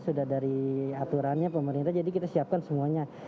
sudah dari aturannya pemerintah jadi kita siapkan semuanya